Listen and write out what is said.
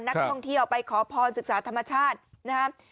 นักท่องเที่ยวไปขอพรศึกษาธรรมชาตินะครับ